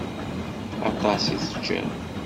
Aṭas i teččiḍ?